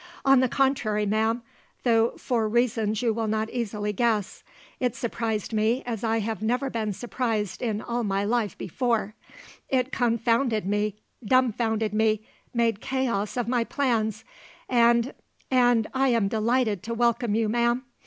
"On the contrary, ma'am though for reasons you will not easily guess it surprised me as I have never been surprised in all my life before; it confounded me, dumfounded me, made chaos of my plans, and and I am delighted to welcome you, ma'am!